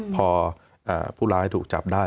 พอผู้ร้ายถูกจับได้